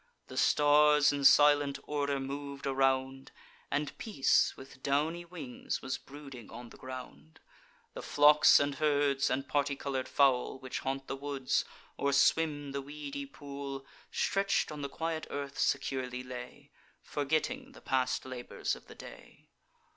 The stars in silent order mov'd around; And Peace, with downy wings, was brooding on the ground The flocks and herds, and party colour'd fowl, Which haunt the woods, or swim the weedy pool, Stretch'd on the quiet earth, securely lay, Forgetting the past labours of the day.